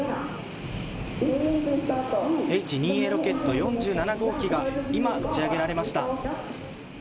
Ｈ２Ａロケット４７号機が今、打ち上げられました。